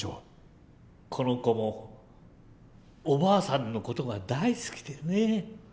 この子もおばあさんの事が大好きでね。